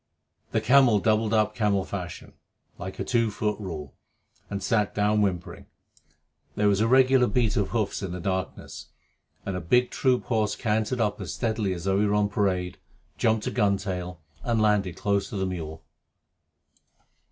The camel doubled up camel fashion, like a two foot rule, and sat down whimpering. There was a regular beat of hoofs in the darkness, and a big troop horse cantered up as steadily as though he were on parade, jumped a gun tail, and landed close to the mule.